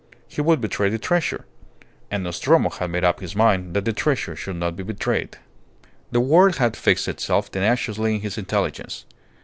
He would betray the treasure. And Nostromo had made up his mind that the treasure should not be betrayed. The word had fixed itself tenaciously in his intelligence.